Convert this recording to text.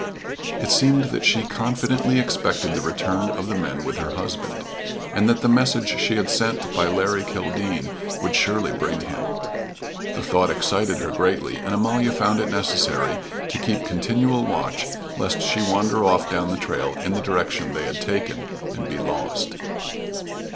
It seemed that she confidently expected the return of the men with her husband, and that the message she had sent by Larry Kildene would surely bring him. The thought excited her greatly, and Amalia found it necessary to keep continual watch lest she wander off down the trail in the direction they had taken, and be lost.